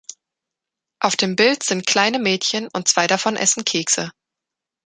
Auf dem Bild sind kleine Mädchen und zwei davon essen Kekse